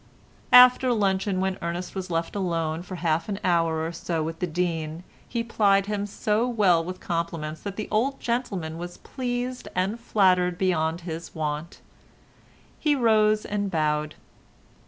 After luncheon when Ernest was left alone for half an hour or so with the Dean he plied him so well with compliments that the old gentleman was pleased and flattered beyond his wont. He rose and bowed.